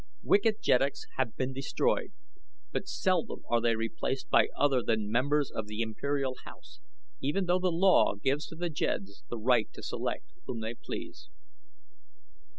Wicked jeddaks have been dethroned, but seldom are they replaced by other than members of the imperial house, even though the law gives to the jeds the right to select whom they please.